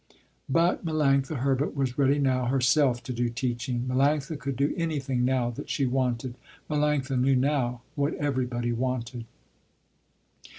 But Melanctha Herbert was ready now herself to do teaching. Melanctha could do anything now that she wanted. Melanctha knew now what everybody wanted.